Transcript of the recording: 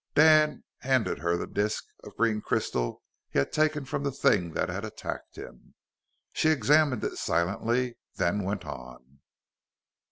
Dan handed her the disk of green crystal he had taken from the thing that had attacked him. She examined it silently, then went on.